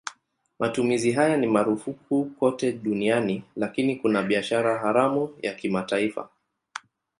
Matumizi haya ni marufuku kote duniani lakini kuna biashara haramu ya kimataifa.